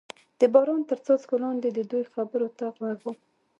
د باران تر څاڅکو لاندې د دوی خبرو ته غوږ ووم.